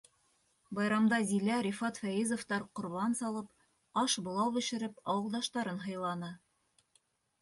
Байрамда Зилә, Рифат Фәйезовтар ҡорбан салып, аш, былау бешереп, ауылдаштарын һыйланы.